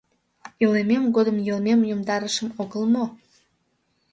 Илымем годым йылмем йомдарышым огыл мо?